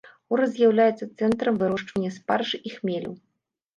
Горад з'яўляецца цэнтрам вырошчвання спаржы і хмелю.